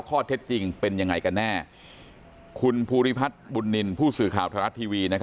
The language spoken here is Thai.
ข้อเท็จจริงเป็นยังไงกันแน่คุณภูริพัฒน์บุญนินทร์ผู้สื่อข่าวไทยรัฐทีวี